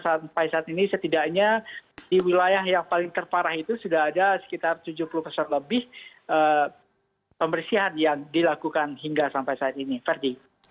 sampai saat ini setidaknya di wilayah yang paling terparah itu sudah ada sekitar tujuh puluh persen lebih pembersihan yang dilakukan hingga sampai saat ini ferdi